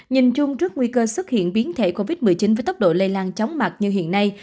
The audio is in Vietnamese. nhìn chung trước nguy cơ xuất hiện biến thể covid một mươi chín với tốc độ lây lan chóng mặt như hiện nay